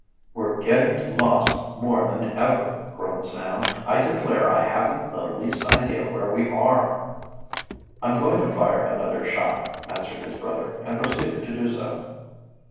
"We're getting lost more than ever," groaned Sam. "I declare I haven't the least idea where we are." "I'm going to fire another shot," answered his brother, and proceeded to do so.